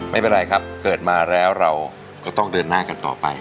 ไม่เป็นไรครับเกิดมาแล้วเราก็ต้องเดินหน้ากันต่อไป